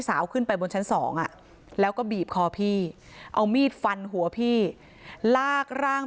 สาวขึ้นไปบนชั้นสองแล้วก็บีบคอพี่เอามีดฟันหัวพี่ลากร่าง